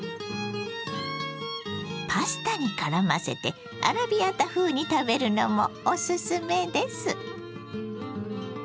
パスタにからませてアラビアータ風に食べるのもおすすめです。